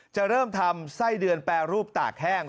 จะเริ่มทำไส้เดือนแปรรูปตากแห้ง